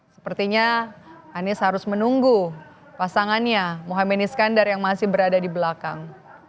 sepertinya anies harus menunggu pasangannya mohamad iskandar yang masih berada di belakang